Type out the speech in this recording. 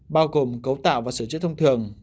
bao gồm cấu tạo và sửa chứa thông thường